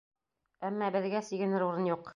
Әммә беҙгә сигенер урын юҡ.